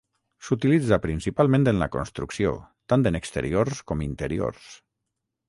S'utilitza principalment en la construcció tant en exteriors com interiors.